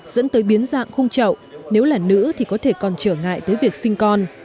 dẫn tới biến dạng khung trậu nếu là nữ thì có thể còn trở ngại tới việc sinh con